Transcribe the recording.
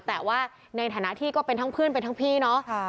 แต่ว่าในฐานะที่ก็เป็นทั้งเพื่อนเป็นทั้งพี่เนาะ